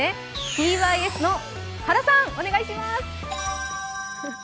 ｔｙｓの原さん、お願いします。